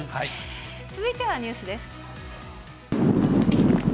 続いてはニュースです。